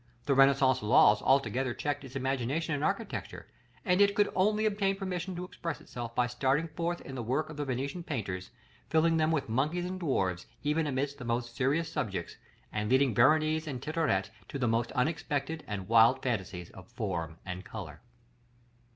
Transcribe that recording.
The Renaissance laws altogether checked its imagination in architecture; and it could only obtain permission to express itself by starting forth in the work of the Venetian painters, filling them with monkeys and dwarfs, even amidst the most serious subjects, and leading Veronese and Tintoret to the most unexpected and wild fantasies of form and color.